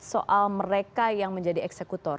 soal mereka yang menjadi eksekutor